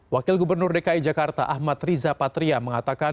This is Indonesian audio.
wakil gubernur dki jakarta ahmad riza patria mengatakan